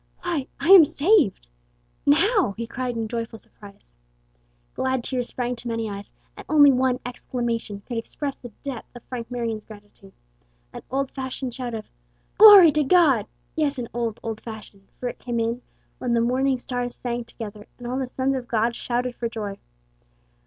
"Why, I am saved! Now!" he cried in joyful surprise. Glad tears sprang to many eyes, and only one exclamation could express the depth of Frank Marion's gratitude an old fashioned shout of "Glory to God!" Yes, an old, old fashion for it came in when "the morning stars sang together, and all the sons of God shouted for joy."